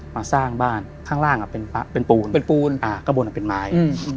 มาสร้างบ้านข้างล่างเป็นปูนเป็นปูนข้างบนเป็นไม้